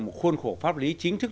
một khuôn khổ pháp lý chính thức